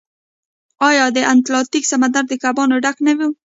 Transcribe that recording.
آیا د اتلانتیک سمندر د کبانو ډک نه و؟